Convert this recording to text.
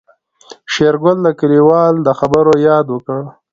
شېرګل د کليوال د خبرو ياد وکړ.